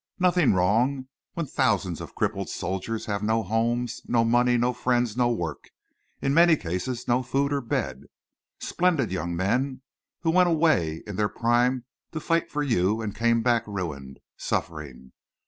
Nothing wrong when thousands of crippled soldiers have no homes—no money—no friends—no work—in many cases no food or bed?... Splendid young men who went away in their prime to fight for you and came back ruined, suffering!